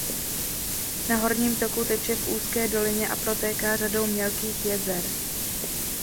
Na horním toku teče v úzké dolině a protéká řadou mělkých jezer.